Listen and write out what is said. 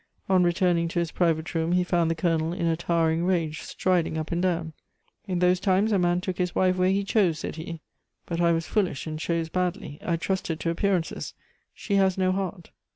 On returning to his private room, he found the Colonel in a towering rage, striding up and down. "In those times a man took his wife where he chose," said he. "But I was foolish and chose badly; I trusted to appearances. She has no heart."